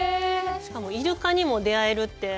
しかも、イルカにも出会えるって。